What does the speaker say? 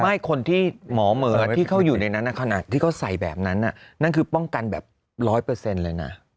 ไม่คนที่หมอเหมือนที่เขาอยู่ในนั้นขนาดที่เขาใส่แบบนั้นนั่นคือป้องกันแบบร้อยเปอร์เซ็นต์เลยนะ